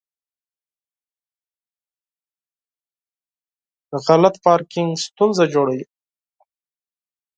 غلط پارکینګ ستونزه جوړوي.